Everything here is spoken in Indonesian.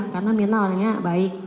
karena mirna orangnya baik